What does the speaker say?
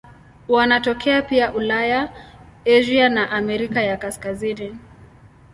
Wanatokea pia Ulaya, Asia na Amerika ya Kaskazini.